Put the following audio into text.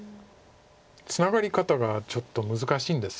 ツナガリ方がちょっと難しいんです